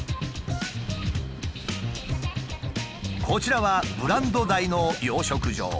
こちらはブランドダイの養殖場。